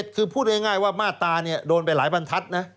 คือพูดง่ายว่ามาตราเนี่ยโดนไปหลายบรรทัศน์นะ